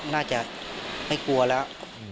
น่าจะไม่กลัวแล้ว